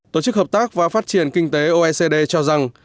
tổ chức hợp tác và phát triển kinh tế oecd cho rằng